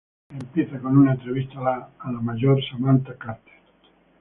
Empieza con una entrevista a la mayor Samantha Carter.